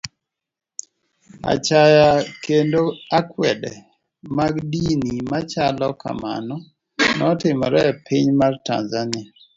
Achaya kendo akwede mag dini machalo kamano notimore e piny mar Tanzania.